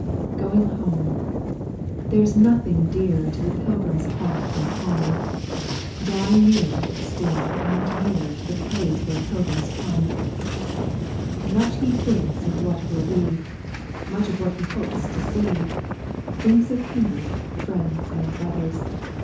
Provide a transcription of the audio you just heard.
3. Going home I There s nothing dearer To the pilgrim's heart than home, Drawing nearer still and nearer To the place where pilgrims come ,• Much he thinks of what will be, Much of what he hopes to see, Thinks of kindred, friends, and brothers.